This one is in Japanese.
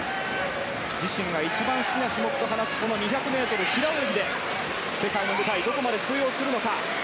自身が一番好きな種目と話すこの２００ｍ平泳ぎで世界の舞台どこまで通用するのか。